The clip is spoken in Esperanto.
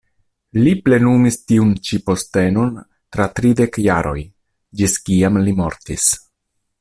Li plenumis tiun ĉi postenon tra tridek jaroj, ĝis kiam li mortis.